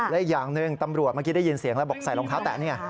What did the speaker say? และอีกอย่างหนึ่งตำรวจเมื่อกี้ได้ยินเสียงแล้วบอกใส่รองเท้าแตะนี่